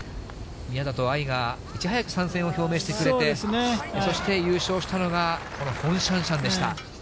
宮里藍がいち早く参戦を表明してくれて、そして優勝したのが、このフォン・シャンシャンでした。